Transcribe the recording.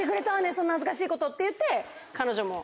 そんな恥ずかしいこと」って言って彼女も。